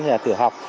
hay là tử học